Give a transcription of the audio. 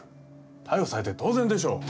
逮捕されて当然でしょう。